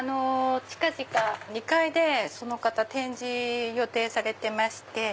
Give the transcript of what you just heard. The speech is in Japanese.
近々２階でその方展示予定されてまして。